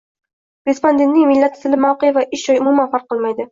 Respondentning millati, tili, mavqei va ish joyi umuman farq qilmaydi